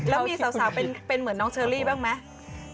แล้วมีสาวเป็นเหมือนน้องเชอรี่บ้างไหม